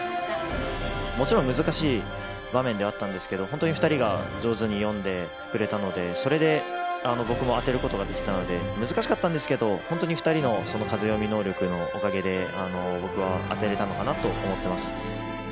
もちろん難しい場面ではあったんですけど、本当に２人が上手に読んでくれたので、それで僕も当てることができたので、難しかったんですけど、本当に２人のその風読み能力のおかげで、僕は当てれたのかなと思っています。